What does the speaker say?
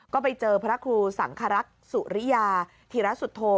ก็ไปเจอพระครูสังครักษ์สุริยาธิรสุโธ